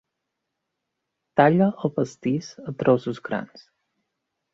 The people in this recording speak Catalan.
Talla el pastís a trossos grans.